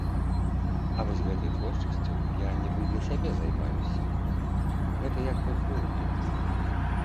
А вось гэтай творчасцю я нібы для сябе займаюся, гэта як бы хобі.